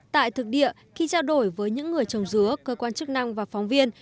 tại thực địa khi trao đổi với những người trồng dứa cơ quan chức năng và phóng viên